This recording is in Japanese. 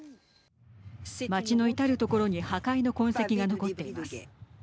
街の至る所に破壊の痕跡が残っています。